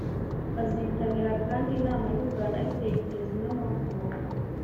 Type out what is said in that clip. Bazitabira kandi inama nyunguranabitekerezo n’amahugurwa